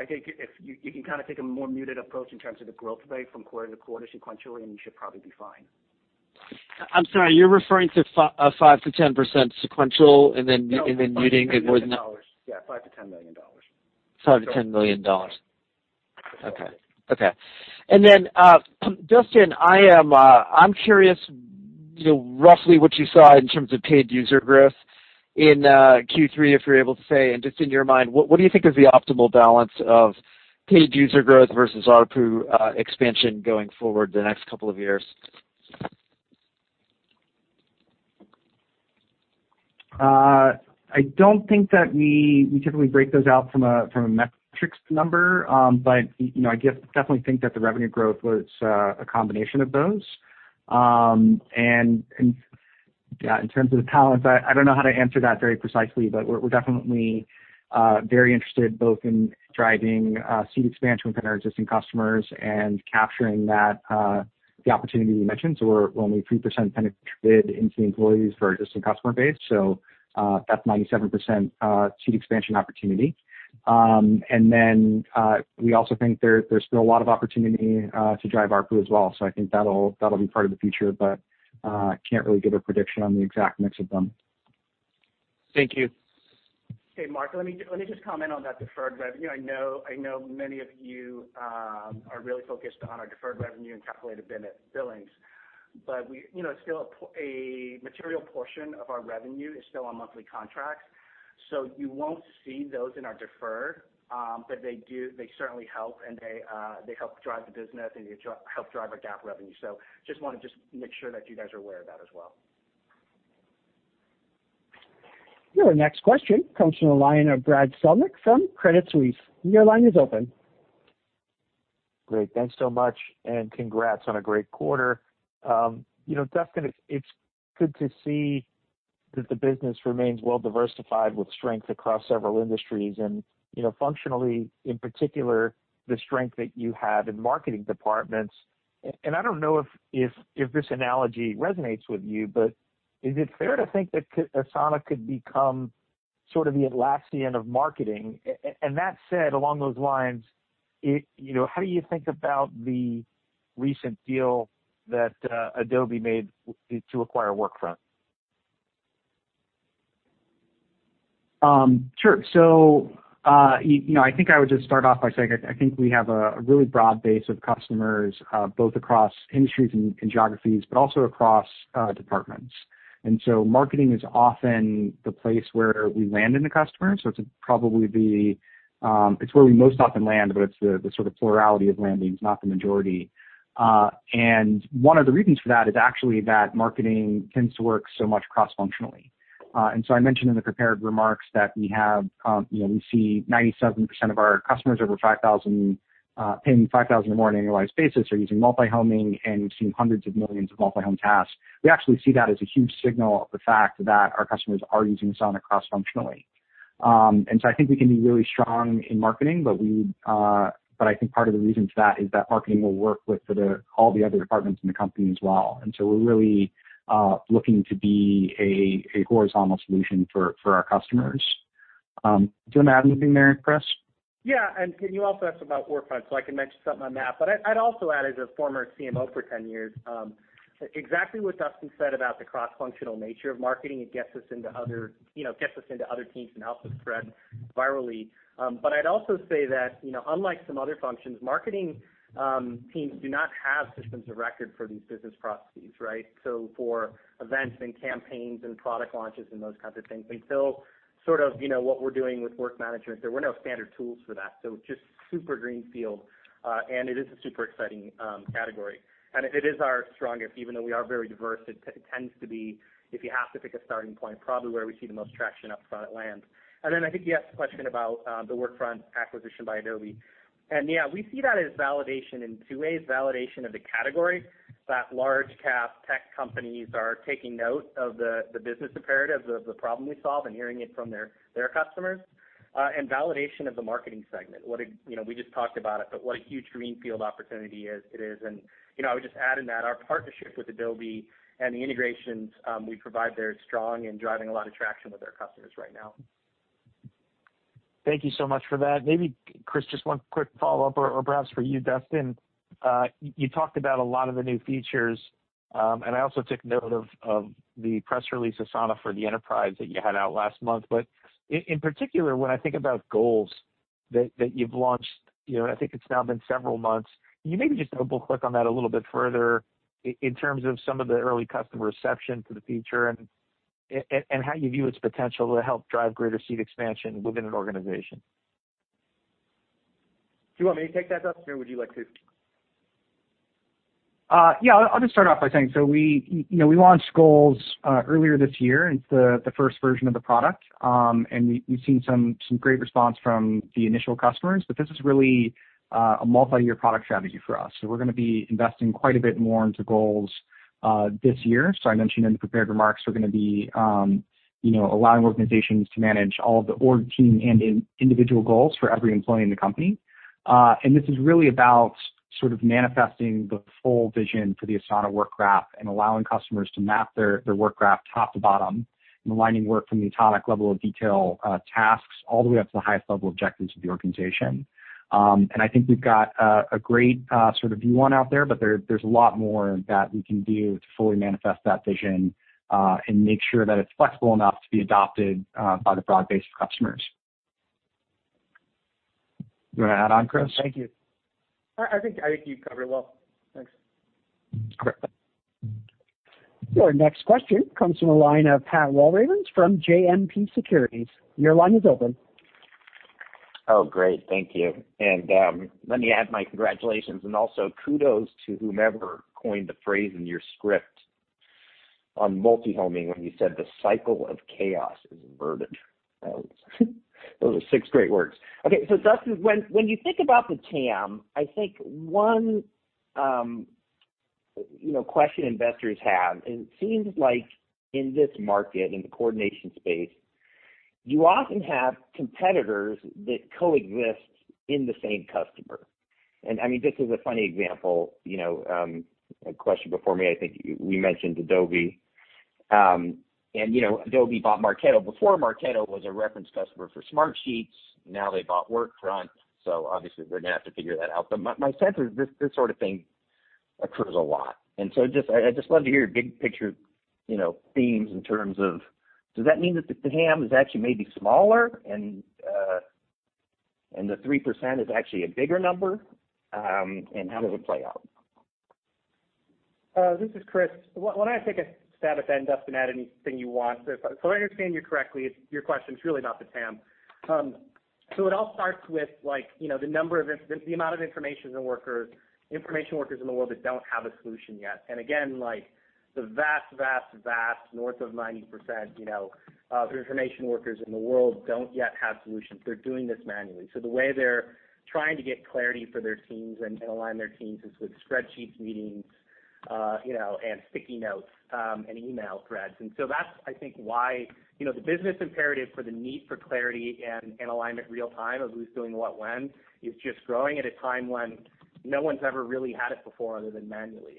Speaker 5: I think if you can take a more muted approach in terms of the growth rate from quarter to quarter sequentially, and you should probably be fine.
Speaker 11: I'm sorry, you're referring to 5%-10% sequential, and then muting it.
Speaker 5: No, $5 million-$10 million. Yeah, $5 million-$10 million.
Speaker 11: $5 million-$10 million.
Speaker 5: Yeah.
Speaker 11: Okay. Dustin, I'm curious, roughly what you saw in terms of paid user growth in Q3, if you're able to say, and just in your mind, what do you think is the optimal balance of paid user growth versus ARPU expansion going forward the next couple of years?
Speaker 3: I don't think that we typically break those out from a metrics number. I definitely think that the revenue growth was a combination of those. Yeah, in terms of the talents, I don't know how to answer that very precisely, but we're definitely very interested both in driving seat expansion within our existing customers and capturing the opportunity we mentioned. We're only 3% penetrated into the employees for our existing customer base. That's 97% seat expansion opportunity. We also think there's still a lot of opportunity to drive ARPU as well. I think that'll be part of the future, but can't really give a prediction on the exact mix of them.
Speaker 11: Thank you.
Speaker 4: Hey, Mark, let me just comment on that deferred revenue. I know many of you are really focused on our deferred revenue and calculated billings, but a material portion of our revenue is still on monthly contracts. You won't see those in our deferred, but they certainly help, and they help drive the business, and they help drive our GAAP revenue. Just want to make sure that you guys are aware of that as well.
Speaker 1: Your next question comes from the line of Brad Zelnick from Credit Suisse. Your line is open.
Speaker 12: Great. Thanks so much. Congrats on a great quarter. Dustin, it's good to see that the business remains well-diversified with strength across several industries and, functionally, in particular, the strength that you have in marketing departments. I don't know if this analogy resonates with you, but is it fair to think that Asana could become sort of the Atlassian of marketing? That said, along those lines, how do you think about the recent deal that Adobe made to acquire Workfront?
Speaker 3: Sure. I think I would just start off by saying I think we have a really broad base of customers, both across industries and geographies, but also across departments. Marketing is often the place where we land in the customer. It's where we most often land, but it's the sort of plurality of landings, not the majority. One of the reasons for that is actually that marketing tends to work so much cross-functionally. I mentioned in the prepared remarks that we see 97% of our customers over $5,000, paying $5,000 or more on an annualized basis, are using multi-homing, and we've seen hundreds of millions of multi-home tasks. We actually see that as a huge signal of the fact that our customers are using Asana cross-functionally. I think we can be really strong in marketing, but I think part of the reason for that is that marketing will work with all the other departments in the company as well. We're really looking to be a horizontal solution for our customers. Do you want to add anything there, Chris?
Speaker 4: Yeah. Can you also ask about Workfront, so I can mention something on that. I'd also add, as a former CMO for 10 years, exactly what Dustin said about the cross-functional nature of marketing. It gets us into other teams and helps us spread virally. I'd also say that, unlike some other functions, marketing teams do not have systems of record for these business processes, right? For events and campaigns and product launches and those kinds of things. Sort of what we're doing with work management, there were no standard tools for that. Just super greenfield, and it is a super exciting category. It is our strongest, even though we are very diverse, it tends to be, if you have to pick a starting point, probably where we see the most traction up front at land. Then I think you asked the question about the Workfront acquisition by Adobe. Yeah, we see that as validation in two ways, validation of the category that large cap tech companies are taking note of the business imperative, the problem we solve and hearing it from their customers. And validation of the marketing segment. We just talked about it, but what a huge greenfield opportunity it is. I would just add in that our partnership with Adobe and the integrations we provide there is strong and driving a lot of traction with our customers right now.
Speaker 12: Thank you so much for that. Maybe, Chris, just one quick follow-up or perhaps for you, Dustin. You talked about a lot of the new features. I also took note of the press release, Asana for the enterprise, that you had out last month. In particular, when I think about Goals that you've launched, and I think it's now been several months, can you maybe just double-click on that a little bit further in terms of some of the early customer reception to the feature and how you view its potential to help drive greater seat expansion within an organization?
Speaker 4: Do you want me to take that, Dustin, or would you like to?
Speaker 3: Yeah, I'll just start off by saying, we launched Goals earlier this year. It's the first version of the product. We've seen some great response from the initial customers. This is really a multi-year product strategy for us. We're going to be investing quite a bit more into Goals this year. I mentioned in the prepared remarks, we're going to be allowing organizations to manage all of the org team and individual goals for every employee in the company. This is really about sort of manifesting the full vision for the Asana Work Graph and allowing customers to map their work graph top to bottom and aligning work from the atomic level of detail tasks all the way up to the highest level objectives of the organization. I think we've got a great sort of view on it out there, but there's a lot more that we can do to fully manifest that vision, and make sure that it's flexible enough to be adopted by the broad base of customers. Do you want to add on, Chris?
Speaker 4: I think you covered it well. Thanks.
Speaker 3: Great.
Speaker 1: Your next question comes from the line of Pat Walravens from JMP Securities. Your line is open.
Speaker 13: Oh, great. Thank you. Let me add my congratulations and also kudos to whomever coined the phrase in your script on multi-homing when you said the cycle of chaos is inverted. Those are six great words. Dustin, when you think about the TAM, I think one question investors have, it seems like in this market, in the coordination space, you often have competitors that coexist in the same customer. I mean, just as a funny example, a question before me, I think we mentioned Adobe. Adobe bought Marketo. Before Marketo was a reference customer for Smartsheet. Now they bought Workfront. Obviously we're going to have to figure that out. My sense is this sort of thing occurs a lot. I'd just love to hear your big-picture themes in terms of does that mean that the TAM is actually maybe smaller and the 3% is actually a bigger number? How does it play out?
Speaker 4: This is Chris. Why don't I take a stab at that and Dustin, add anything you want. If I understand you correctly, your question's really about the TAM. It all starts with the amount of information workers in the world that don't have a solution yet. Again, the vast, vast, north of 90% of information workers in the world don't yet have solutions. They're doing this manually. The way they're trying to get clarity for their teams and align their teams is with spreadsheets, meetings, and sticky notes, and email threads. That's, I think, why the business imperative for the need for clarity and alignment real-time of who's doing what when is just growing at a time when no one's ever really had it before other than manually.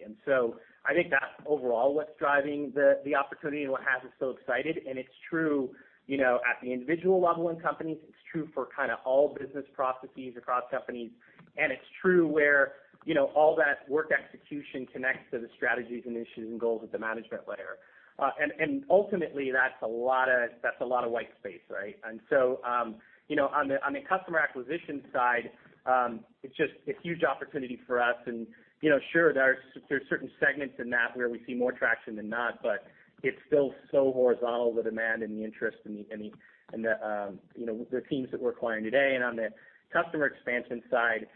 Speaker 4: I think that's overall what's driving the opportunity and what has us so excited, and it's true at the individual level in companies. It's true for kind of all business processes across companies. It's true where all that work execution connects to the strategies and issues and goals at the management layer. Ultimately, that's a lot of white space, right? On the customer acquisition side, it's a huge opportunity for us. Sure, there are certain segments in that where we see more traction than not, but it's still so horizontal, the demand and the interest and the teams that we're acquiring today. On the customer expansion side,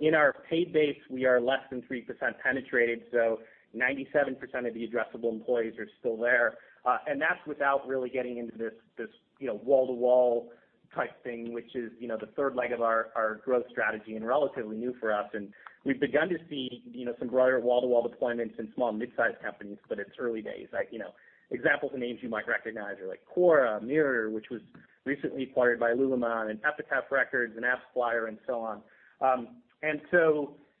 Speaker 4: in our paid base, we are less than 3% penetrated, so 97% of the addressable employees are still there. That's without really getting into this wall-to-wall type thing, which is the third leg of our growth strategy and relatively new for us. We've begun to see some greater wall-to-wall deployments in small and mid-size companies, but it's early days. Examples of names you might recognize are Quora, MIRROR, which was recently acquired by lululemon, and Epitaph Records, and AppsFlyer, and so on.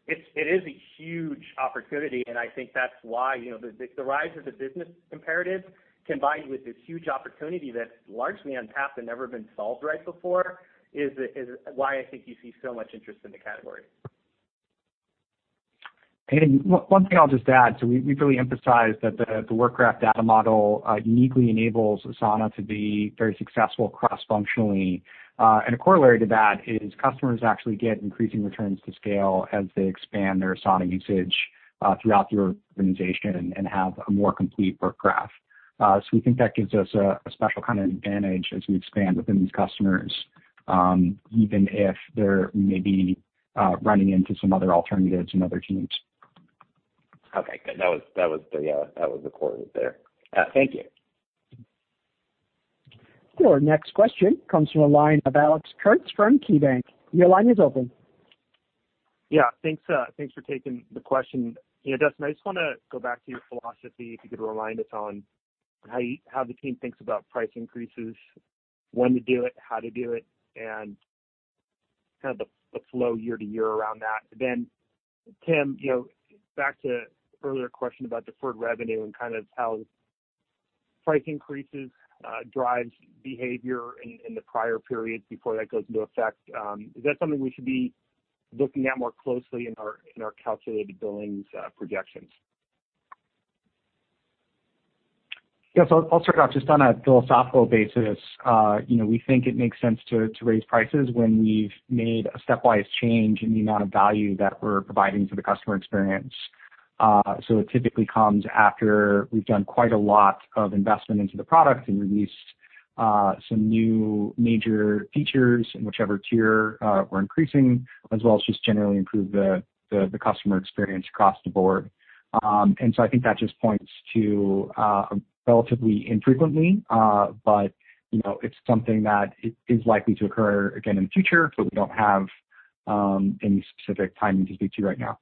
Speaker 4: It is a huge opportunity, and I think that's why the rise of the business imperative combined with this huge opportunity that's largely untapped and never been solved right before is why I think you see so much interest in the category.
Speaker 3: One thing I'll just add, so we've really emphasized that the work graph data model uniquely enables Asana to be very successful cross-functionally. A corollary to that is customers actually get increasing returns to scale as they expand their Asana usage throughout the organization and have a more complete work graph. We think that gives us a special kind of advantage as we expand within these customers, even if they're maybe running into some other alternatives and other teams.
Speaker 13: Okay, good. That was the core root there. Thank you.
Speaker 1: Your next question comes from the line of Alex Kurtz from KeyBanc. Your line is open.
Speaker 14: Yeah, thanks for taking the question. Dustin, I just want to go back to your philosophy, if you could remind us on how the team thinks about price increases, when to do it, how to do it, and kind of the flow year-to-year around that. Tim, back to earlier question about deferred revenue and kind of how price increases drives behavior in the prior periods before that goes into effect. Is that something we should be looking at more closely in our calculated billings projections?
Speaker 3: Yes. I'll start off just on a philosophical basis. We think it makes sense to raise prices when we've made a stepwise change in the amount of value that we're providing to the customer experience. It typically comes after we've done quite a lot of investment into the product and released some new major features in whichever tier we're increasing, as well as just generally improve the customer experience across the board. I think that just points to relatively infrequently, but it's something that is likely to occur again in the future, but we don't have any specific timing to speak to right now.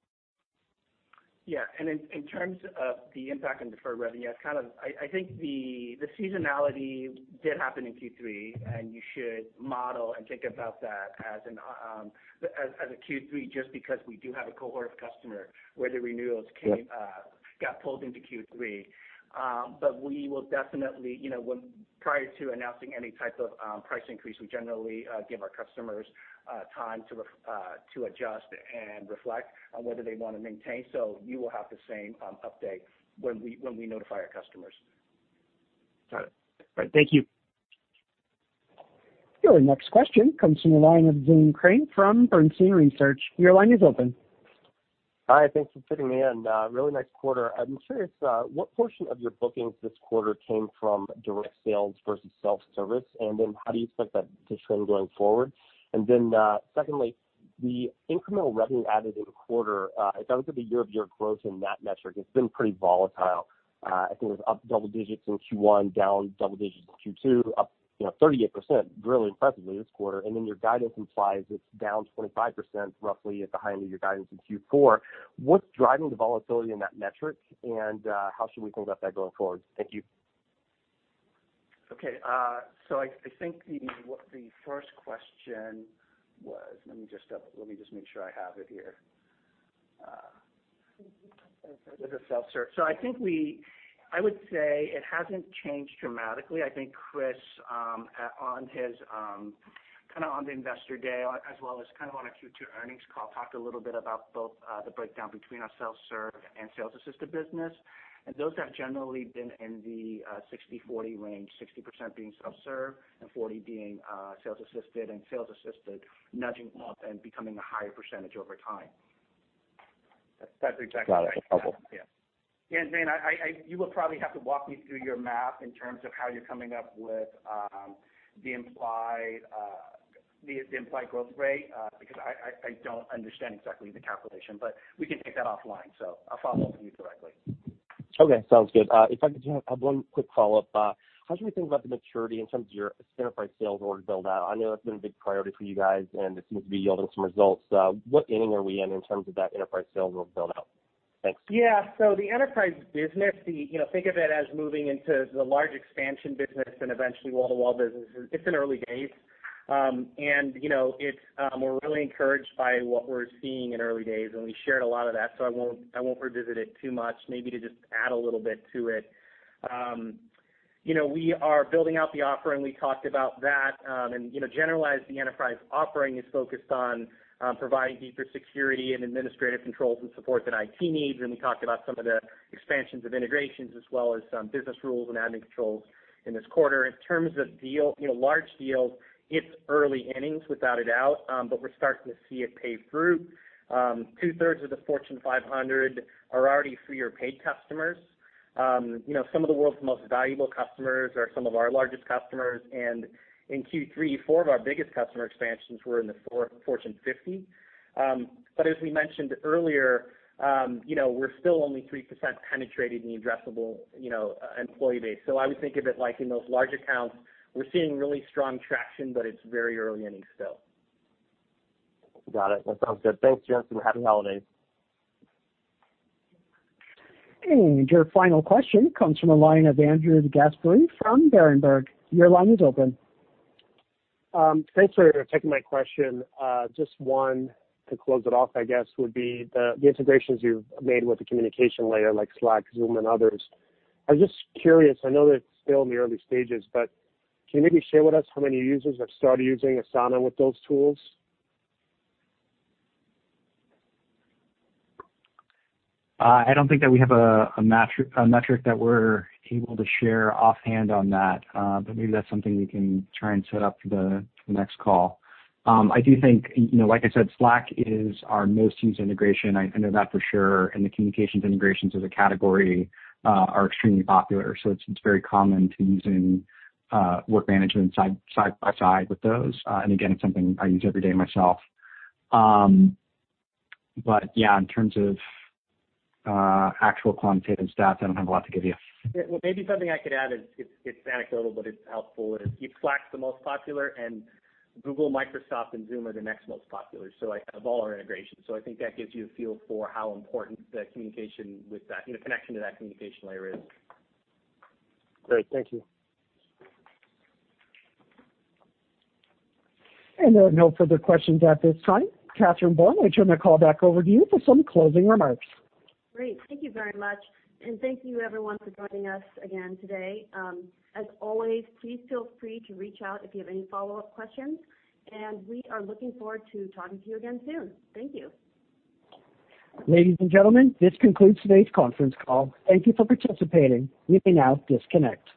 Speaker 5: Yeah. In terms of the impact on deferred revenue, I think the seasonality did happen in Q3, and you should model and think about that as a Q3 just because we do have a cohort of customer where the renewals came, got pulled into Q3. We will definitely, when prior to announcing any type of price increase, we generally give our customers time to adjust and reflect on whether they want to maintain. You will have the same update when we notify our customers.
Speaker 14: Got it. Right. Thank you.
Speaker 1: Your next question comes from the line of Zane Chrane from Bernstein Research. Your line is open.
Speaker 15: Hi, thanks for fitting me in. Really nice quarter. I'm curious, what portion of your bookings this quarter came from direct sales versus self-service, and then how do you expect that to trend going forward? Secondly, the incremental revenue added in the quarter, if I look at the year-over-year growth in that metric, it's been pretty volatile. I think it was up double digits in Q1, down double digits in Q2, up 38%, really impressively this quarter. Your guidance implies it's down 25% roughly at the high end of your guidance in Q4. What's driving the volatility in that metric, and how should we think about that going forward? Thank you.
Speaker 5: Okay. I think what the first question was, let me just make sure I have it here. It was a self-serve. I think I would say it hasn't changed dramatically. I think Chris, on the Investor Day as well as on our Q2 earnings call, talked a little bit about both the breakdown between our self-serve and sales-assisted business. Those have generally been in the 60/40 range, 60% being self-serve and 40% being sales assisted, and sales assisted nudging up and becoming a higher percentage over time.
Speaker 3: That's exactly right.
Speaker 5: Yeah. Zane, you will probably have to walk me through your math in terms of how you're coming up with the implied growth rate, because I don't understand exactly the calculation. We can take that offline. I'll follow up with you directly.
Speaker 15: Okay, sounds good. If I could just have one quick follow-up. How should we think about the maturity in terms of your enterprise sales order build-out? I know that's been a big priority for you guys, and it seems to be yielding some results. What inning are we in in terms of that enterprise sales order build-out? Thanks.
Speaker 4: Yeah. The enterprise business, think of it as moving into the large expansion business and eventually wall-to-wall businesses. It's in early days. We're really encouraged by what we're seeing in early days, and we shared a lot of that, so I won't revisit it too much. Maybe to just add a little bit to it. We are building out the offering. We talked about that. Generalized, the enterprise offering is focused on providing deeper security and administrative controls and support that IT needs. We talked about some of the expansions of integrations as well as some business rules and admin controls in this quarter. In terms of large deals, it's early innings, without a doubt. We're starting to see it pay fruit. Two-thirds of the Fortune 500 are already free or paid customers. Some of the world's most valuable customers are some of our largest customers. In Q3, four of our biggest customer expansions were in the Fortune 50. As we mentioned earlier, we're still only 3% penetrated in the addressable employee base. I would think of it like in those large accounts, we're seeing really strong traction, but it's very early innings still.
Speaker 15: Got it. That sounds good. Thanks, gents, and happy holidays.
Speaker 1: Your final question comes from the line of Andrew DeGasperi from Berenberg. Your line is open.
Speaker 16: Thanks for taking my question. Just one to close it off, I guess, would be the integrations you've made with the communication layer like Slack, Zoom, and others. I was just curious, I know that it's still in the early stages, but can you maybe share with us how many users have started using Asana with those tools?
Speaker 3: I don't think that we have a metric that we're able to share offhand on that. Maybe that's something we can try and set up for the next call. I do think, like I said, Slack is our most used integration. I know that for sure, the communications integrations as a category are extremely popular. It's very common to using work management side by side with those. Again, it's something I use every day myself. Yeah, in terms of actual quantitative stats, I don't have a lot to give you.
Speaker 4: Well, maybe something I could add is, it's anecdotal, but it's helpful, is Slack's the most popular, and Google, Microsoft, and Zoom are the next most popular, so of all our integrations. I think that gives you a feel for how important the connection to that communication layer is.
Speaker 16: Great. Thank you.
Speaker 1: There are no further questions at this time. Catherine Buan, I turn the call back over to you for some closing remarks.
Speaker 2: Great. Thank you very much. Thank you everyone for joining us again today. As always, please feel free to reach out if you have any follow-up questions. We are looking forward to talking to you again soon. Thank you.
Speaker 1: Ladies and gentlemen, this concludes today's conference call. Thank you for participating. You may now disconnect.